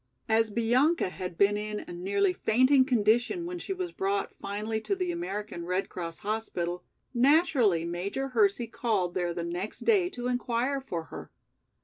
As Bianca had been in a nearly fainting condition when she was brought finally to the American Red Cross hospital, naturally Major Hersey called there the next day to inquire for her.